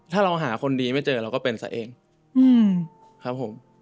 ถ้าเราหาคนดีไม่เจอเราก็เป็นซะเองครับผม